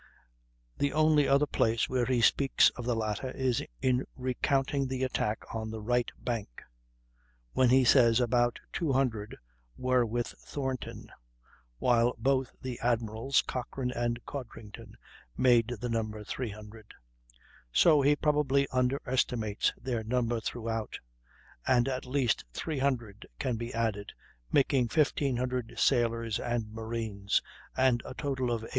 The only other place where he speaks of the latter is in recounting the attack on the right bank, when he says "about 200" were with Thornton, while both the admirals, Cochrane and Codrington, make the number 300; so he probably underestimates their number throughout, and at least 300 can be added, making 1,500 sailors and marines, and a total of 8,453.